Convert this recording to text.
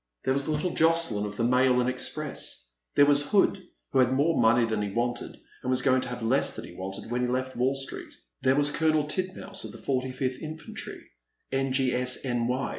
There was little Jocdyn of the Mail and Express; there was Hood, who had more money than he wanted and wa3 going to have less than he wanted when he left Wall Street; there was Colonel Tid mouse of the 45th Infantry, N.G.S.N.Y.